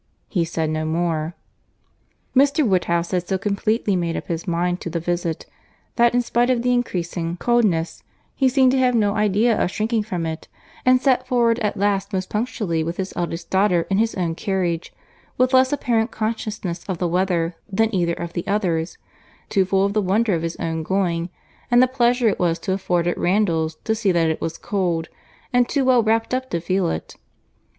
He said no more. Mr. Woodhouse had so completely made up his mind to the visit, that in spite of the increasing coldness, he seemed to have no idea of shrinking from it, and set forward at last most punctually with his eldest daughter in his own carriage, with less apparent consciousness of the weather than either of the others; too full of the wonder of his own going, and the pleasure it was to afford at Randalls to see that it was cold, and too well wrapt up to feel it.